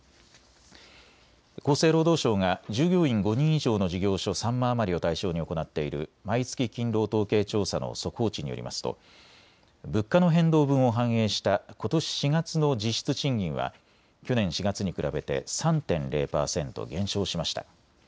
厚生労働省が従業員５人以上の事業所３万余りを対象に行っている毎月勤労統計調査の速報値によりますと物価の変動分を反映したことし４月の実質賃金は去年４月に比べて３．０％減少しました。